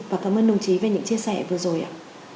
và cảm ơn đồng chí về những chia sẻ vừa rồi ạ